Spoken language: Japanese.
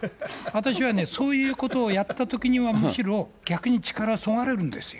私はね、そういうことをやったときにはむしろ逆に力そがれるんですよ。